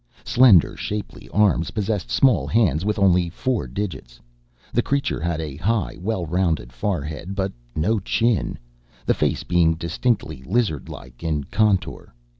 Slender, shapely arms possessed small hands with only four digits. The creature had a high, well rounded forehead but no chin, the face being distinctly lizard like in contour.